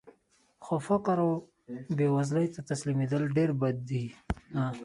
خو فقر او بېوزلۍ ته تسلیمېدل ډېر بد دي